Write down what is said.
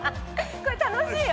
これ楽しいよ。